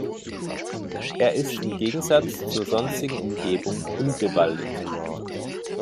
Er ist im Gegensatz zur sonstigen Umgebung unbewaldet.